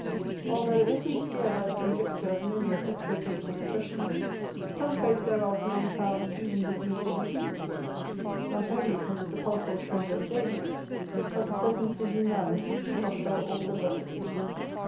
Although, if we steer by the conjecture of many a Septuagint expression, some trace thereof may be found even with the ancient Hebrews, not only from the sepulchral treasure of David, but the circumcision knives which Joshua also buried.